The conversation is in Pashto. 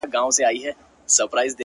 o ستا د ښايستې خولې ښايستې خبري،